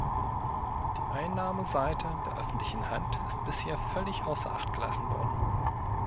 Die Einnahmeseite der öffentlichen Hand ist bisher völlig außer Acht gelassen worden.